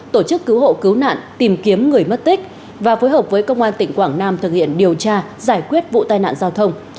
tổ chức cứu hộ cứu nạn tìm kiếm người mất tích và phối hợp với công an tỉnh quảng nam thực hiện điều tra giải quyết vụ tai nạn giao thông